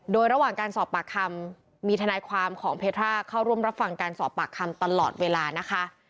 โดยระหว่างการสอบปากคำมีทนายความของเพทราเข้าร่วมรับฟังการสอบปากคำตลอดเวลานะคะ